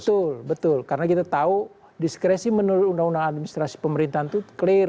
betul betul karena kita tahu diskresi menurut undang undang administrasi pemerintahan itu clear